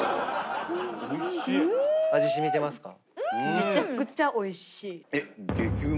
めちゃくちゃおいしい。